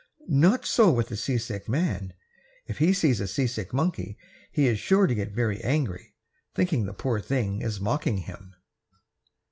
Not so with the seasick man. If he sees a seasick monkey he is sure to get very angry, thinking the poor thing is mocking him.